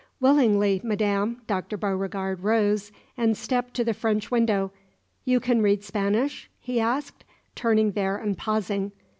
"Willingly, madam." Dr. Beauregard rose, and stepped to the French window. "You can read Spanish?" he asked, turning there and pausing.